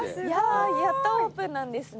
やっとオープンなんですね。